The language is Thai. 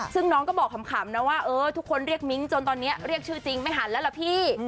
ซึ่งน้องก็บอกขำนะว่าเออทุกคนเรียกมิ้งจนตอนนี้เรียกชื่อจริงไม่หันแล้วล่ะพี่